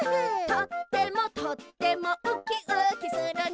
「とってもとってもウキウキするね」